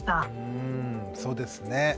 うんそうですね。